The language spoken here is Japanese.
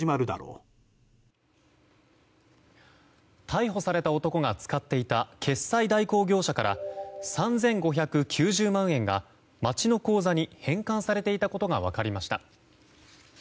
逮捕された男が使っていた決済代行業者から３５９０万円が町の口座に返還されていたことが分かりました。